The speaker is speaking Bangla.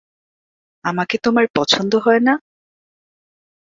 আমাকে তোমার পছন্দ হয় না?